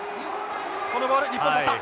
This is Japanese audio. このボール日本捕った。